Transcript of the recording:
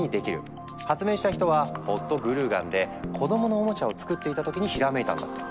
発明した人はホットグルーガンで子供のおもちゃを作っていた時にひらめいたんだって。